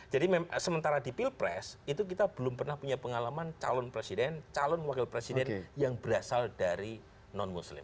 jadi sementara di pilpres itu kita belum pernah punya pengalaman calon presiden calon wakil presiden yang berasal dari non muslim